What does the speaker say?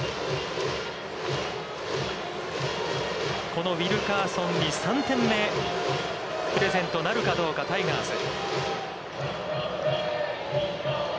このウィルカーソンに３点目、プレゼントなるかどうかタイガース。